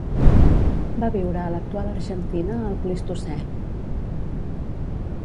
Va viure a l'actual Argentina al Plistocè.